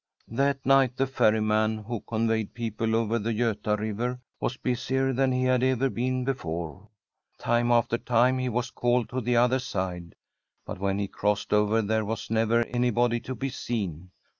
That night the ferrjTnan who conveyed people over the Gota River was busier than he had ever been before. Time after time he was called to the other side, but when he crossed over there was never anybody to be seen.